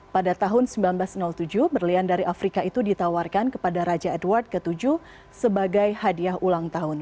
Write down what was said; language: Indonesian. pada tahun seribu sembilan ratus tujuh berlian dari afrika itu ditawarkan kepada raja edward vii sebagai hadiah ulang tahun